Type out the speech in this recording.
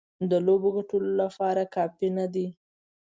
د لوبې ګټلو لپاره کافي نه دي.